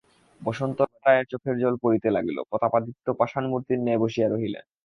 বসন্ত রায়ের চোখে জল পড়িতে লাগিল, প্রতাপাদিত্য পাষাণমূর্তির ন্যায় বসিয়া রহিলেন।